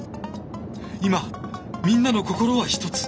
今みんなの心はひとつ！